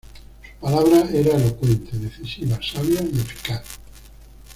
Su palabra era elocuente, decisiva, sabia y eficaz.